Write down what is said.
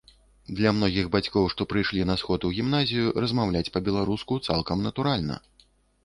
Для многіх бацькоў, што прыйшлі на сход у гімназію, размаўляць па-беларуску цалкам натуральна.